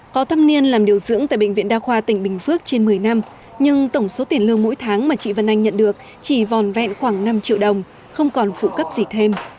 có thâm niên làm điều dưỡng tại bệnh viện đa khoa tỉnh bình phước trên một mươi năm nhưng tổng số tiền lương mỗi tháng mà chị vân anh nhận được chỉ vòn vẹn khoảng năm triệu đồng không còn phụ cấp gì thêm